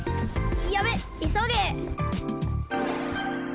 やべっいそげ！